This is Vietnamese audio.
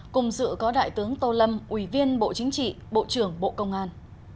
cùng dự có đại tướng tô lâm ủy viên bộ chính trị bộ trưởng bộ công an